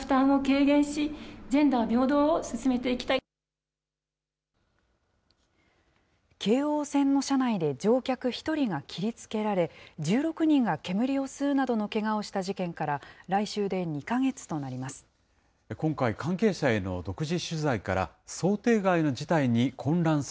京王線の車内で乗客１人が切りつけられ、１６人が煙を吸うなどのけがをした事件から、来週で２か月となります。